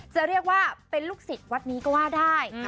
จะเรียกว่าเป็นลูกศิษย์วัดนี้ก็ว่าได้